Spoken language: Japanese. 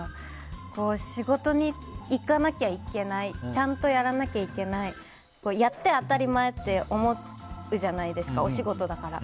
仕事に行かなきゃいけないちゃんとやらなきゃいけないやって当たり前って思うじゃないですかお仕事だから。